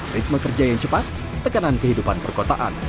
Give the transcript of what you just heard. ritme kerja yang cepat tekanan kehidupan perkotaan